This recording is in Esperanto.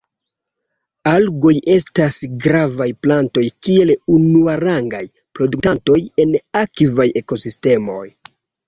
Algoj estas gravaj plantoj kiel unuarangaj produktantoj en akvaj ekosistemoj.